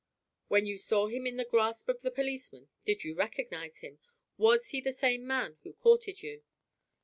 "When you saw him in the grasp of the policeman did you recognize him? Was he the same man who courted you?"